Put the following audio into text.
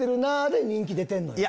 で人気出てんのよ。